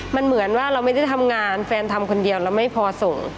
มันเหมือนว่าเราไม่ได้ทำงานแฟนทำคนเดียวเราไม่พอส่ง